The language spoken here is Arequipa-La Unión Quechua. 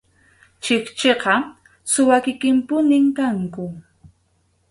Chikchiqa suwa kikinpunim kanku.